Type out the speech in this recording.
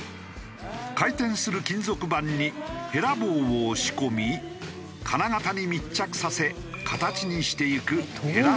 回転する金属板にへら棒を押し込み金型に密着させ形にしていくへらり。